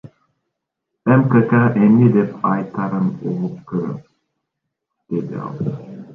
МКК эмне деп айтаарын угуп көрөм, — деди ал.